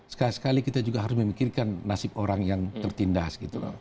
sekali sekali kita juga harus memikirkan nasib orang yang tertindas gitu loh